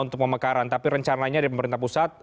untuk pemekaran tapi rencananya dari pemerintah pusat